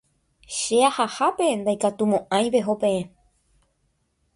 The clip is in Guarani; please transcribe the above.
Che ahahápe ndaikatumo'ãi peho peẽ